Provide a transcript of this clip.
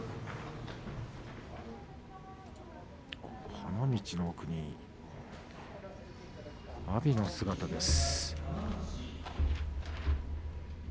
花道の奥に阿炎の姿です。